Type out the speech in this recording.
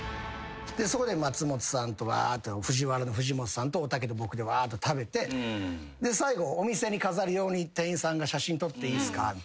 そこで松本さんとＦＵＪＩＷＡＲＡの藤本さんとおたけと僕でわーっと食べて最後お店に飾る用に店員さんが写真撮っていいっすかみたいな。